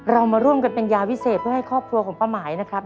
เรามาร่วมกันเป็นยาวิเศษเพื่อให้ครอบครัวของป้าหมายนะครับ